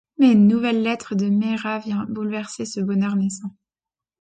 Mais une nouvelle lettre de Meera vient bouleverser ce bonheur naissant…